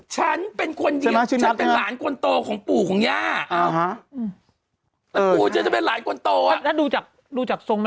ฉันเป็นหลานคนโตของปู่ของย่าแล้วปู่ฉันจะเป็นหลานคนโตแล้วดูจากทรงแล้ว